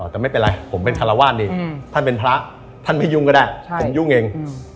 แต่ไม่เป็นไรผมเป็นคารวาสดีท่านเป็นพระท่านไม่ยุ่งก็ได้ผมยุ่งเอง